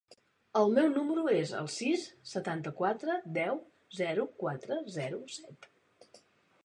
El meu número es el sis, setanta-quatre, deu, zero, quatre, zero, set.